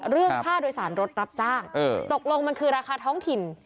เรื่องค่าโดยสารรถรับจ้างตกลงมันคือราคาท้องถิ่น